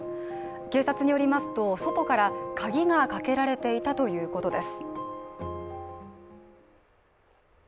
警察によりますと外から鍵がかけられていたということです。